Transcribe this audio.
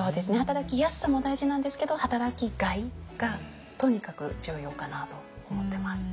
働きやすさも大事なんですけど働きがいがとにかく重要かなと思ってます。